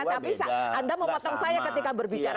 tapi anda memotong saya ketika berbicara